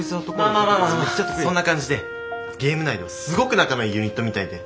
まあまあそんな感じでゲーム内ではすごく仲のいいユニットみたいで。